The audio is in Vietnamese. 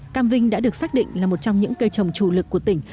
cam vinh đã được xác định là một trong những cây trồng chủ lực của tỉnh